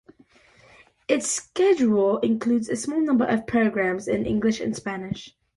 Its schedule includes a small number of programmes in English and Spanish.